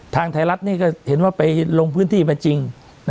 ทางไทยรัฐนี่ก็เห็นว่าไปลงพื้นที่มาจริง